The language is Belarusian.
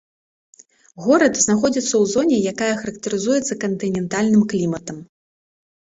Горад знаходзіцца ў зоне, якая характарызуецца кантынентальным кліматам.